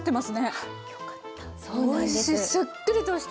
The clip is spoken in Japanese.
はっよかった。